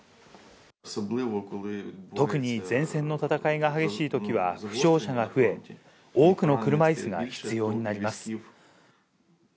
特に前線の戦いが激しいときは、負傷者が増え、多くの車いすが必要になります。